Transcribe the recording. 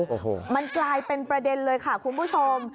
โอ้โหมันกลายเป็นประเด็นเลยค่ะคุณผู้ชม